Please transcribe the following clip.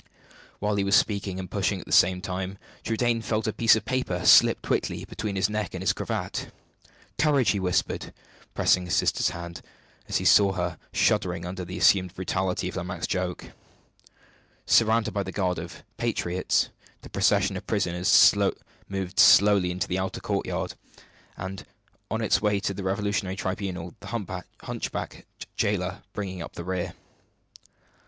While he was speaking and pushing at the same time, Trudaine felt a piece of paper slip quickly between his neck and his cravat. "Courage!" he whispered, pressing his sister's hand, as he saw her shuddering under the assumed brutality of Lomaque's joke. Surrounded by the guard of "Patriots," the procession of prisoners moved slowly into the outer courtyard, on its way to the revolutionary tribunal, the humpbacked jailer bringing up the rear.